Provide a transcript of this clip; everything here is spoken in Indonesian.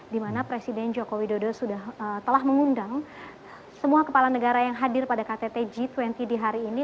dimana presiden joko widodo telah mengundang semua kepala negara yang hadir pada kttg dua puluh di hari ini